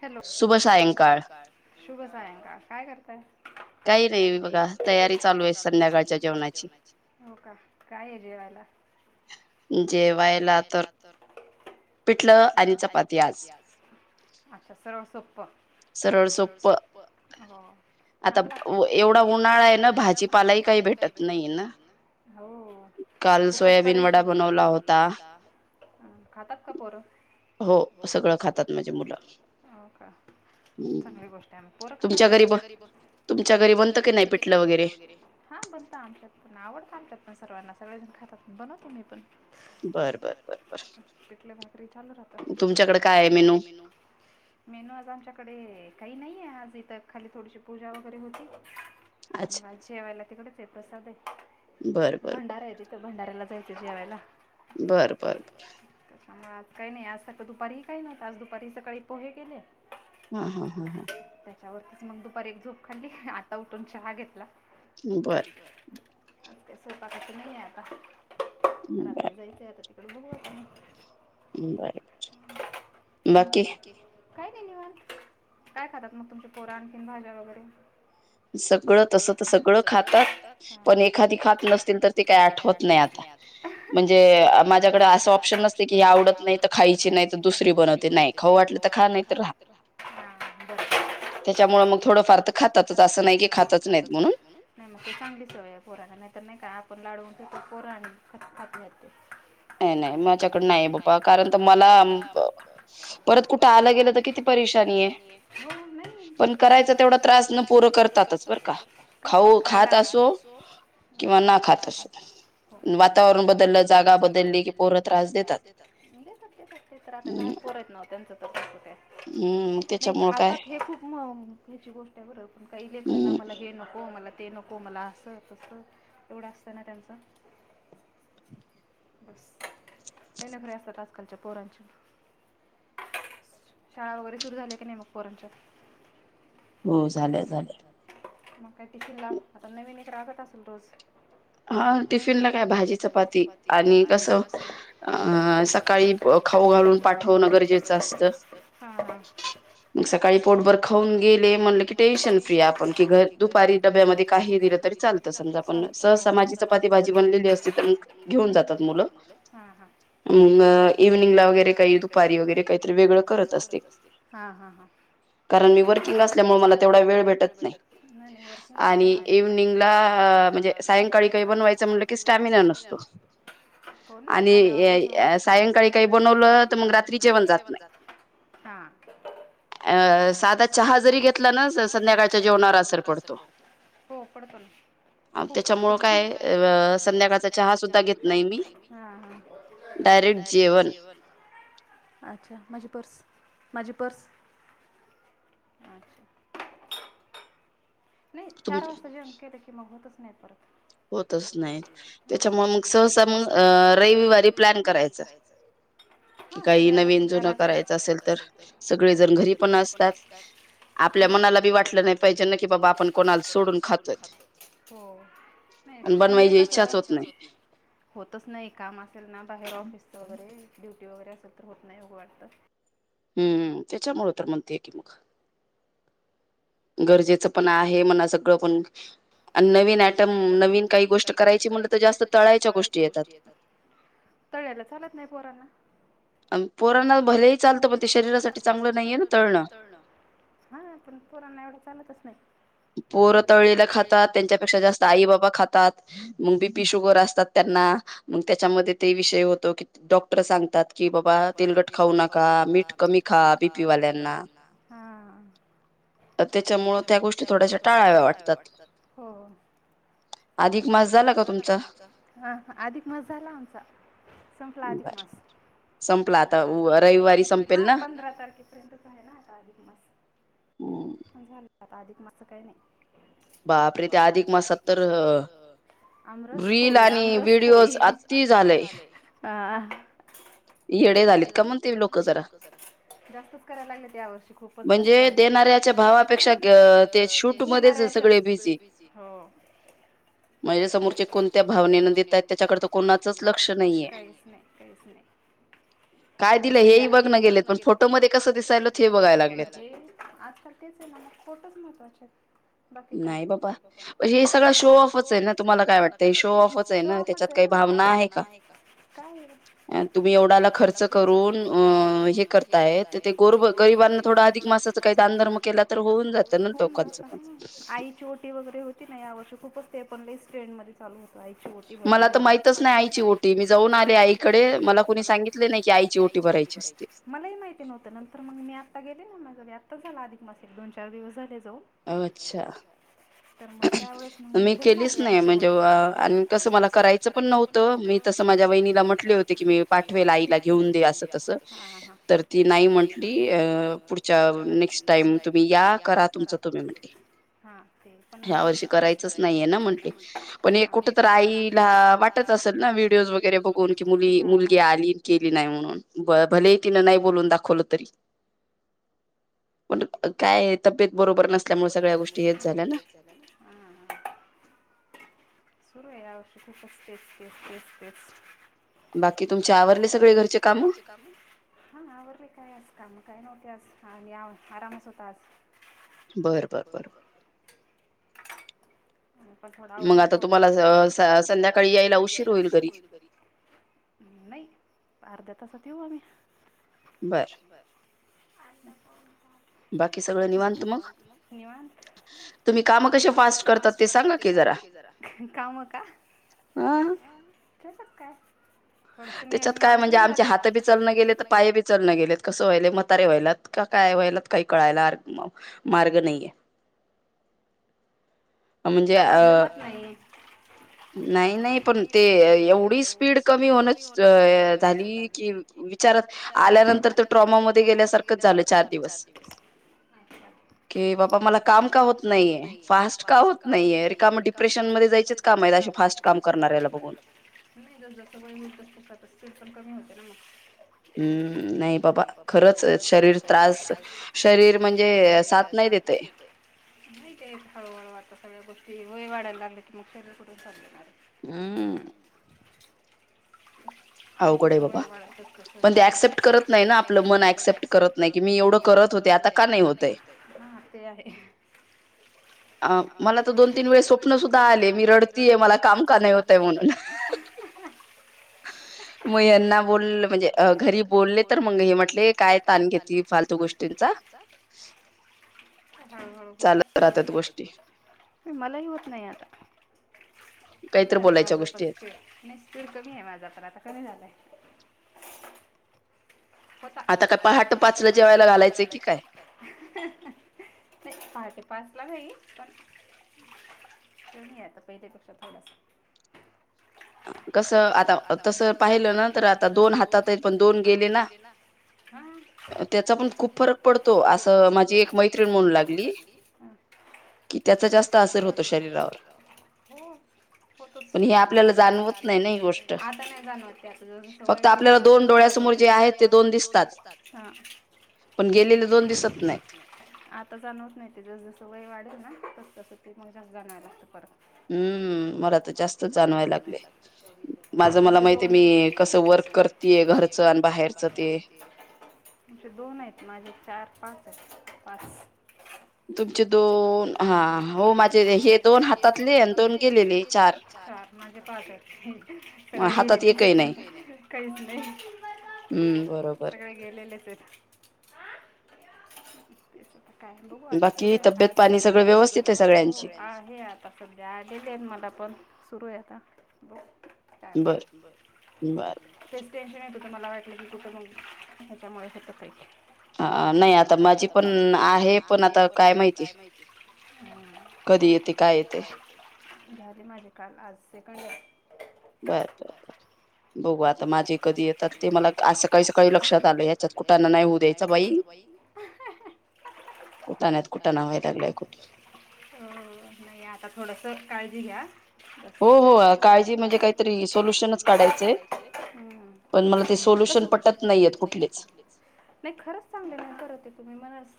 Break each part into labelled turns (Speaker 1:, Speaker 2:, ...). Speaker 1: Hello शुभ सायंकाळ शुभ सायंकाळ काय करताय काही नाही बघ तयारी चालू आहे संध्याकाळच्या जेवणाची हो का काय आहे जेवायला
Speaker 2: जेवायला तर पिठलं आणि चपाती आज
Speaker 1: अच्छा सरळ सोप्प सरळ सोप्प चांगला आता एवढा उन्हाळा आहे ना भाजीपालाही काही भेटत नाही ना हो खूपच [unintelligible] बनवला होता खातात का पोरं? हो सगळं खातात हो, का चांगली गोष्ट आहे. पोर खातात. तुमच्या घरी घरी तुमच्या घरी बनत की नाही पिटलं वगैरे हा बनत आमच्याात पण आवडत आतात सर्ांना सगळेजण खातात. बनवतो मी पण.
Speaker 2: बर बर बर बर तुमच्याकडे काय आहे मेनू?
Speaker 1: मेनू आज आमच्याकडे काही नाहीये, आज इथं खाली थोडीशी पूजा वगैरे होती- तर मग जेवायला [unintelligible] प्रसााद आहे
Speaker 2: बर बर बर.
Speaker 1: भंडाऱ्याला जायच जेवायला-
Speaker 2: बरं बरं बर.
Speaker 1: आ आ काही नाही आज त तस दुपारी काही नव्हतं आज दुपारी, सकाळी - पोहे केले. त्याच्यावरतीच मग दुपारी एक झोप खाल्ली आता उठून चहा घेतला.
Speaker 2: बरं.
Speaker 1: ते स्वयपाकाची नाही आहे आता. रात्री जायचं आता तर [inaudible]
Speaker 2: [unintelligible] बाकी
Speaker 1: काय नाही ओ. काय खातात मग तुमची पोर? आणखीन भाज्या वगैरे.
Speaker 2: सगळं तस त सगळं खातात, पण एखादी खात नसतील, तर ते काही आठवत नाही आता. म्हणजे माझ्याकडे असं ऑप्शन नसते की, हे आवडत नाही तर खायची नाही, तर दुसरी बनवते नाही खाऊ वाटल
Speaker 1: वाट ख नाही तर ऱ्हा [inaudible] यामुळे मग थोड फार तर असं नाही खातच नाही, मग चांगली सवय आहे पोरांना नाहीतर, नाही का आपण लाडून ते पोर आणखी खात नाहीत ते.
Speaker 2: नाही नाही, माझ्याकड नाही, बाबा कारण तर मला
Speaker 1: परत कुठं आलं गेलं तर किती परेशानी आहे. पण करायच तेवढा त्रास न पोरं करतातच. बर का करतात खायला खात असो किंवा ना खात असो वातावरण बदललं जाग ल्ली कि पोरं त्रास देतात, देतात देतात ते तर आता लहान पोरं आहेत ना ओ. [unintelligible] नाही, खातात हे खूप म हिची गोष्ट बर. काही लेकरं ना मला हे नको, मला ते नको मला असं तस एवढं असतं ना त्यांचं बस, लई नखरे असतात, आजकालच्या पोरांची. शाळा वगैरे सुरू झाल्या की नाही मग पोरांच्या? हो झालं झालं मग काही टिफिन लाव, आता नवीन एक लागत असेल रोज.
Speaker 2: हा टिफिन ला काय भाजी चपाती, आणि कस अ सकाळी खाऊ घालून पाठवन गरजे जास्त मग सकाळी पोटभर खाऊन गेले म्हणलं की टेन्शन फ्री आपण की घर दुपारी डब्यामध्ये काही दिलं तरी चालतं समजा आपण सहज तर माझी चपाती भाजी बनलेली असते, तर मग घेऊन जातात मुलं मग इविनिंगला वगैरे काही दुपारी वगैरे
Speaker 1: वगैरे काहीतरी वेगळं करत असते कारण मी वर्किंग असल्यामुळे मला तेवढा वेळ भेटत नाही. आणि इव्हिनिंगला सायंकाळी काही बनवायच म्हंटलं की स्टॅमिना नसतो, होना आल्यावर बनवावं वाटत नाही. सायंकाळी काही बनवलं रात्री जेवण जात नाही, हा अ साधा चहा जरी घेतला ना संध्याकाळच्या जेवणावर असर पडतो. परत त्याच्यामुळे काय संध्याकाळचा चहा सुद्धा घेत नाही मी डायरेक्ट जेवण. अच्छा! माझी पर्स, माझी पर्स अच्छा! नाही, चार वाजता जेवण केलं कि मग होत. नाही परत
Speaker 2: होतच नाहीत त्याच्यामुळे मग सहसा मग अ रविवारी प्लॅन करायच कि काही नवीन जुन करायच असेल तर सगळे जण घरी पण असतात आपल्या मनाला बी वाटलं नाही पाहिजे ना की बाबा आपण
Speaker 1: आपण कोणाला सोडून खातोय हो नाही संडे कस होतच नाही काम असेल ना बाहेर ऑफिसच वगैरे ड्युटी ड्युटी वगैरे असेल तर होत नाही हो वाटतं.
Speaker 2: हम्मम त्याच्यामुळे तर म्हणतेय की मग, गरजेचं पण आहे मला सगळं पण,
Speaker 1: आणि नवीन आटम नवीन काही गोष्ट करायची म्हटलं तर जास्त तळायच्या गोष्टी येतात. तळलेले चालत नाही पोरांना.
Speaker 2: अन् पोरांना
Speaker 1: आ पोरांना आरोग्यासाठी चांगलं नाहीये ना तळण हा पण पोरांना एवढं चालतच नाही.
Speaker 2: पोर तळीला खातात त्यांच्यापेक्षा जास्त आई बाबा खातात मग बीपी शुगर असतात त्यांना मग त्याच्यामध्ये ते विषय होतो की डॉक्टर सांगतात कि बाबा तिलगट खाऊ नका मीठ कमी खा बीपीवाल्यांना
Speaker 1: त्याच्यामु त्या गोष्टी थोड्याश टाळाव्या वाटतात हो अधिक मास झाला का तुमचा ह अधिक मास झाला आमचा संप्लादिक मास्र संपला आता रविवारी पंधरा तारखेपर्यंत आहे ना आ अधिक मास झा आता अधिक मासं कळणे बापरे ते अधिक मासात तर आमरासोळी आमरोळीि झालेय आ येडे झाले तका म्हणते लोक सगळे जास्तच करायला लागले त्या वर. खूप जास्ते देणाऱ्याच्या भावापेक्षा सगळे बीस कोणत्या भावनेन देतात त्याच्याकडे कोणाचच लक्ष नाही [unintelligible]
Speaker 2: काय दिलं हेही बघण गेलेत पण फोटो मध्ये कसं दिसायल तर हे बघायला लागत.
Speaker 1: ते आजकाल तेच आहे ना खोटंच महत् [unintelligible] वाचे बाकी नाही बाबा म्हणजे हे सगळं शो ऑफच आहे ना [unintelligible] तुम्हाला काय वाटत शो ऑफमना आहे का काय
Speaker 2: तुम्ही एवढाला खर्च करून अ हे करताय, तर ते गोरब गरिबांना थोडं अधिक मासाचं काही दानधर्म केला तर होऊन जातं ना लोकांचं पण.
Speaker 1: आईची ओटी वगैरे होती ना या वर्षी खूपच. ते पण लई स्ट्रेड मध्ये चालू होतं. आईची ओटी भर नाही मला तर माहितच नाही आईची ओटी मी जाऊन आले आ [unintelligible] डे मला सांगितले नाय आईची भरायची मलाही माहिती नव्हत नंतर मग मी आता गेले ना माझ [unintelligible] झाला अधिक मासिक दोन चार दिवस झाले असतील.
Speaker 2: अ अच्छा.
Speaker 1: तर मग त्यावेळेस म मी बघय म्हणजे आणि कसं मला करायचं पण नव्हतं मी तसं [unintelligible] माझ्या वहिणीला म हो तुम पाठवेला आईला घेऊन द असस तर ती नाही म्हट पुढ नेक्स्ट टाईम तुम्ही या करा [unintelligible] तुमच ते
Speaker 2: ह्या वर्षी करायचंच नाहीये ना म्हटले पण एक कुठ तर आईला वाटत असेल ना व्हिडिओज वगैरे बघून कि मुलगी आली केली नाही म्हणून. भ भले तिनं नाही बोलून दाखवलं तरी पण काय तबेत. बरोबर नसल्यामुळे सगळ्या गोष्टी येत झाल्या ना.
Speaker 1: हा सुरू या वर्षे खूपच ते तेच ते तेच ते तेच. बाकी तुमचे आवरले सगळे घरचे काम हा आवरले काय काम का नव्हती. तेच आ् या आरामास होता आज.
Speaker 2: बरं बरं बर बर.
Speaker 1: पण थोडा आऊट ऑफ मग आता तुम्हाला संध्याकाळी यायला उशीर होईल घरी नाही अध तसं ठऊ आम्ही.
Speaker 2: बर बाकी सगळं निवांत मग.
Speaker 1: तुम्ही काम कशा फास्ट करतात ते सांगा कि जरा काम का त्याच्यात काय.
Speaker 2: त्याच्यात काय म्हणजे आमचे हात बी चलणं गेलेत तर पाय बी चलणं गेलेत. कसं व्हाय मतारे व्हायलात का काय व्हायलात काही कळायला मार्ग नाहीये.
Speaker 1: चवकाशी जमत नाहीये
Speaker 2: नाही नाही पण ते एवढी स्पीड कमी होनच झाली कि विचारत आल्यानंतर तर ट्रॉमा मध्ये गेल्यासारखंच झालं चार दिवस की बाबा मला काम का होत नाहीये फास्ट का होत नाहीय अर का म डिप्रेशनमध्येध्ये जायचंच
Speaker 1: का फास् काम ज जस पण कमी होते ना मग नाही बापा खरच शरीर त्रास शरीर म्हणजे साथ नाही देतो नाही का हळहळ वाट सगळ्या गोष्टी वय वाढाय लागल्या की मुक्डून सांग
Speaker 2: हम्
Speaker 1: म्हण क्सेप्ट करत नाही ना आपलं मन ऍक्सेप्ट करत नाही की मी एवढं करत होते आता का नाही होत ते आहे अ मला ते दोन तीन वेळे स्वप्न सुद्धा आले मी रडतीय मला काम का नाही होतय म्हणून मग यांना बोल म्हणजे घरी बोलले तर मग हे म्हटले काय ताण घेतली फालतू गोष्टींचा होचा मलाही होत नाही आता कमी झालं माझ्याप नस माझा तर आता कध झालाय होता आता का पहाटे पाचला जेवायला घालायचे नाही पहाटे पास पण आता पहिल्यापेक्षा थोड
Speaker 2: अ
Speaker 1: कस आता तस पाहिलं ना तर आता दोन हातात आहेत पण दोन गेले ना त्याचा पण खूप फरक पडतो असं माझी एक मैत्रीण होू लागली त्याचा जास्त असेल होत शंकाी
Speaker 2: णवत नाही
Speaker 1: आता नाही जाणवतते आ जसस वय दोन दिसतात आता जाणवत नाही ते जसजस वय वाढेल ह तस तसं ते मग जा जाणार असत फरक
Speaker 2: हम्म मला तर जास्त जाणवाय लागले
Speaker 1: मीस वक कर घरच आणि बाहेरच ते आ दोन आहेत माझे चार पाच पाच
Speaker 2: तुमचे दोन हा हो माझे हे दोन हातातले आणि दोन गेलेले चार
Speaker 1: माजे पाच हम सगळे गेलेलेच काहीच नाही सगळे गेलेलेच आहेत तेस काय बघू आता सगळ व्यवस्थ हे आता सध्या आलेले मला पण सुरू येतता बर चास टेन्शन आहे मला वाटलं की कुठं हच्यामुळे हत आहे नाही आता माझी पण आहे पण आता काय माहिती कधी येते काय येत झाले माझे काल आज सेकंड गता माझीरीेत मला असं काही काही लक्षात आलं याच्यात कुटाना नाही होऊ द्याच बाई कुना कु नाही आता थोडस काळजी घ्या ब का हो हो ख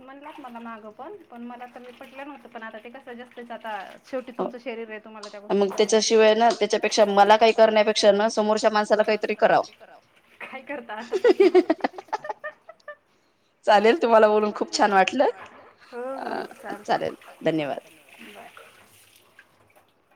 Speaker 1: मला मागं पण पण मला तर मी पटलं नव्हतं पण आता ते कसं जास्तच आता शेवटी तुमच शर आहे तुम्हाला त्या गोष्टी कर त्याच्याशिवाय त्याच्यापेक्षा मला काही करण्यापेक्षा न समोरच्या माणसाला काहीतरी करावं काय करता आता चालेल तुम्हाला छान वाट चालते